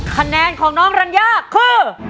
คะแนนของน้องรัญญาคือ